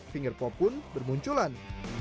finger pop pun bermunculan